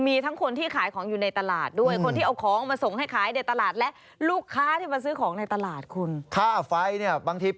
มันวิ่งเลย